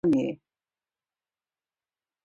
که ستا له لاسه څوک ناارام وي، نو پوه سه چې ته ظالم یې